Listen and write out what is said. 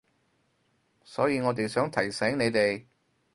所以我哋想提醒你哋